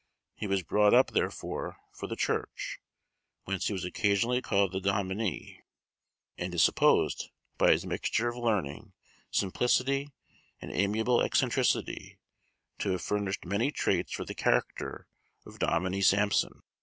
He was brought up, therefore, for the Church, whence he was occasionally called the Dominie, and is supposed, by his mixture of learning, simplicity, and amiable eccentricity, to have furnished many traits for the character of Dominie Sampson.